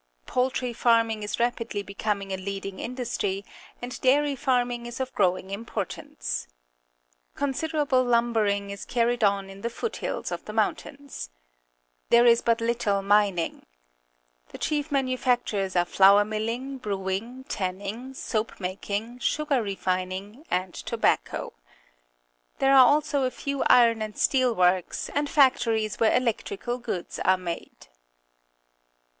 Poultry farming is rapid ly becoming a leading industry, and dairy farming is of growing importance. Consider able lumbering is carried on in the foot hills of the momitains. There is but httle mining. The chief manufactures are flour milhng, brewing, tanning, soap making, sugar refin ing, and tobacco. There are also a few iron and steel works, and factories where electrical goods are made.